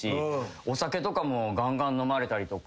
お酒とかもがんがん飲まれたりとか。